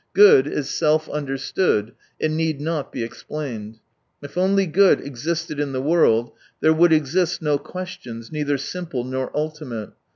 Good is self understood; it need not be exiplained. If only good existed in the world, there would exist no questions, neither simple nor ultimate.